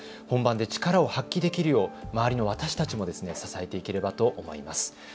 本番で力を発揮できるよう周りの私たちも支えていければと思います。